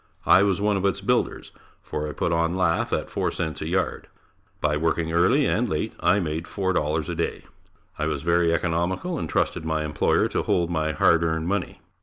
I was one of its builders for I put on lath at 4 cents a yard. By working early and late, I made $4 a day. I was very economical and trusted my employer to hold my hard earned money.